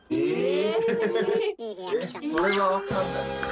え？